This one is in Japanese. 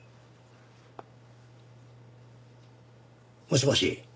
もしもし。